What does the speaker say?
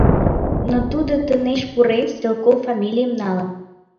Но тудо тынеш пурен, Стрелков фамилийым налын.